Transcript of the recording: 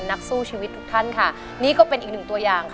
นักสู้ชีวิตทุกท่านก็เป็นอีกหนึ่งตัวอย่าง